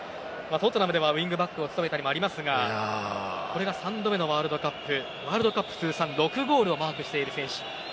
トットナムではウィングバックを務めたりもありますがこれが３度目のワールドカップワールドカップ通算６ゴールをマークしている選手。